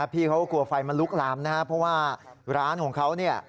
พี่เขากลัวไฟมันลุกลามนะฮะเพราะว่าร้านของเขา